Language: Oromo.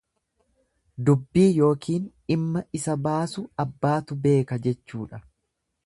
Dubbii ykn dhimma isa baasu abbaatu beeka jechuudha.